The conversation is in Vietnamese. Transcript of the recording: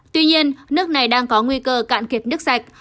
tuy nhiên nước này đang có nguy cơ cạn kiệt nước sạch